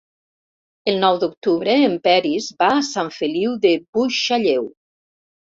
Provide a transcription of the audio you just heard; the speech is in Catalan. El nou d'octubre en Peris va a Sant Feliu de Buixalleu.